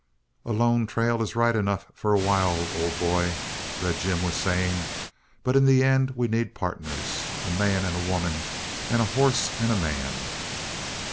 "A lone trail is right enough for a while, old boy," Red Jim was saying, "but in the end we need partners, a man and a woman and a horse and a man."